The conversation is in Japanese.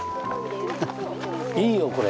いいよこれ。